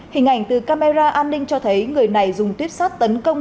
hình ảnh từ camera an ninh cho thấy người này dùng tuyết sát tấn công